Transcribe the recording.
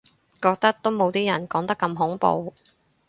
覺得都冇啲人講得咁恐怖